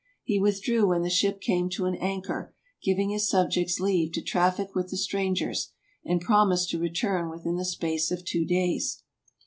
He withdrew when the ship came to an anchor, giving his subjects leave to traffic with the strang ers, and promised to return within the space of two days.